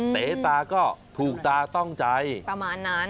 เต๋ตาก็ถูกตาต้องใจประมาณนั้น